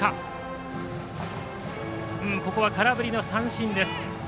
ここは空振り三振です。